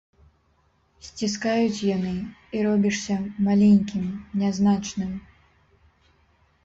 Сціскаюць яны, і робішся маленькім, нязначным.